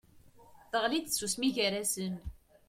Teɣli-d tsusmi gar-asen.